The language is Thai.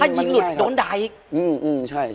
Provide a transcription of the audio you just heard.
ถ้ายิงหลุดโดนดายอีก